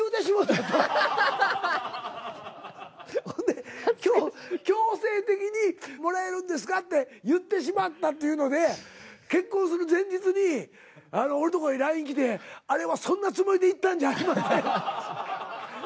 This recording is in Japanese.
ほんで強制的に「もらえるんですか？」って言ってしまったっていうので結婚する前日に俺のとこへＬＩＮＥ来て「あれはそんなつもりで言ったんじゃありません」。